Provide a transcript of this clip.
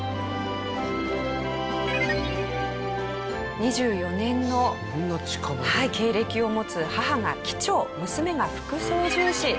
２４年の経歴を持つ母が機長娘が副操縦士。